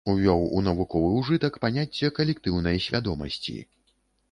Увёў у навуковы ўжытак паняцце калектыўнай свядомасці.